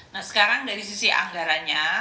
nah sekarang dari sisi anggarannya